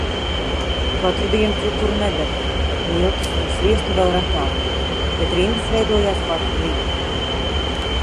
Katru dienu cukuru nedeva. Miltus un sviestu vēl retāk. Bet rindas veidojās katru rītu.